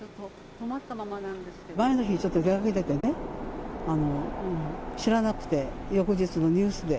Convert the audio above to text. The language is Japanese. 前の日にちょっと出かけててね、知らなくて、翌日のニュースで。